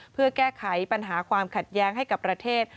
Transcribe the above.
เพื่อแก้ไขปัญหาความขัดแย้งให้กับประเทศ